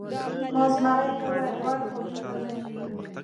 ما زمري ته وویل: لوړ کوټې ته ځو؟